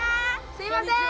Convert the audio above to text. すみません！